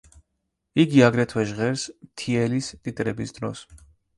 იგი აგრეთვე ჟღერს „მთიელის“ ტიტრების დროს.